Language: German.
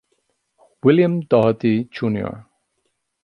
William Doherty, Jr.